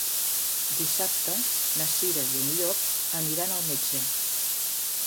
Dissabte na Cira i en Llop aniran al metge.